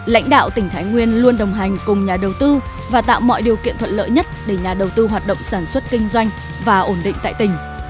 lãnh đạo tỉnh thái nguyên luôn đồng hành cùng nhà đầu tư và tạo mọi điều kiện thuận lợi nhất để nhà đầu tư hoạt động sản xuất kinh doanh và ổn định tại tỉnh